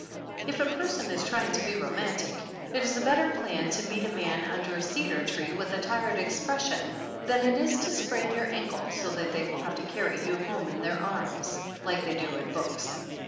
If a person is trying to be romantic it is a better plan to meet a man under a cedar tree with a tired expression than it is to sprain your ankle so they will have to carry you home in their arms, like they do in books.